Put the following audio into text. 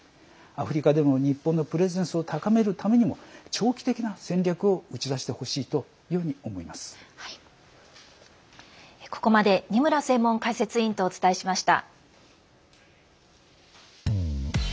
アフリカでも日本のプレゼンスを高めるためにも長期的な戦略を打ち出してほしいというふうにここまで二村専門解説委員とお伝えしました。